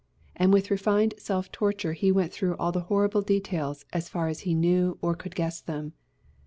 And with refined self torture he went through all the horrible details, as far as he knew or could guess them.